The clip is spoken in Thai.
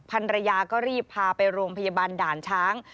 ภรรยาก็รีบพาไปโรงพยาบาลด่านช้าง